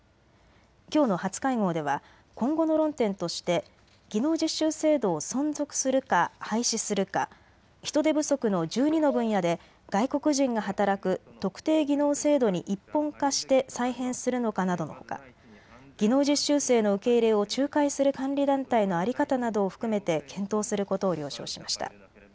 きょうの初会合では今後の論点として技能実習制度を存続するか廃止するか、人手不足の１２の分野で外国人が働く特定技能制度に一本化して再編するのかなどのほか、技能実習生の受け入れを仲介する監理団体の在り方などを含めて検討することを了承しました。